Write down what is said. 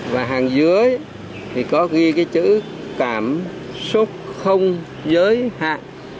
và hàng dưới thì có ghi cái chữ cảm xúc không giới hạn